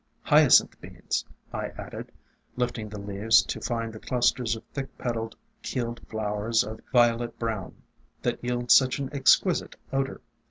"Hyacinth Beans," I added, lifting the leaves to find the clusters of thick petaled, keeled flowers of violet brown, that yield such an exquisite odor.